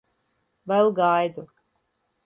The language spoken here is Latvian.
Vēl gaidu.